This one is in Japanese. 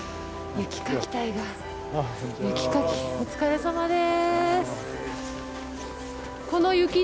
雪かきお疲れさまです。